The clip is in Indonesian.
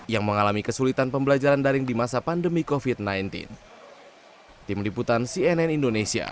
yang mengalami kesulitan pembelajaran daring di masa pandemi covid sembilan belas